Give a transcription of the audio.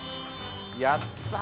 やったぜ。